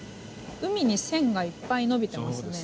海に線がいっぱいのびてますね。